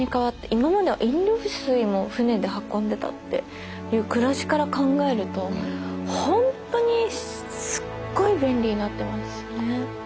今までは飲料水も船で運んでたっていう暮らしから考えるとホントにすっごい便利になってますよね。